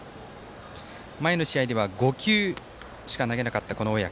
前の試合では５球しか投げなかった小宅。